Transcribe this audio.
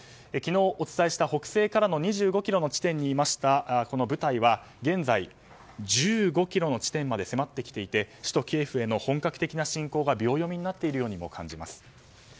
昨日、お伝えした北西から２５ｋｍの地点にいた部隊は、現在１５ｋｍの地点まで迫ってきていて首都キエフへの本格的侵攻が秒読みになっているようにも感じます。